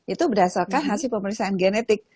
itu berdasarkan hasil pemeriksaan genetik